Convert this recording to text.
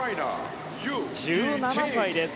１７歳です。